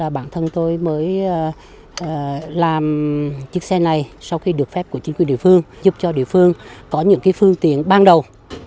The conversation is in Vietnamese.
bản thân tôi mới làm chiếc xe này sau khi được phép của chính quyền địa phương giúp cho địa phương có những phương tiện ban đầu